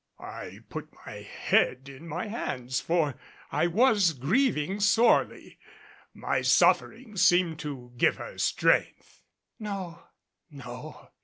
I put my head in my hands, for I was grieving sorely. My suffering seemed to give her strength. "No! no!"